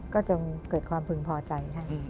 ก็จงเกิดความพึงพอใจ